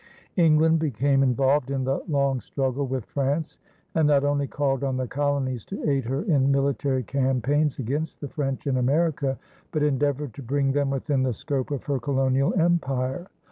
England became involved in the long struggle with France and not only called on the colonies to aid her in military campaigns against the French in America, but endeavored to bring them within the scope of her colonial empire.